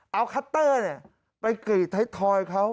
เอาคัตเตอร์ไปกรีดไทยทอยเขา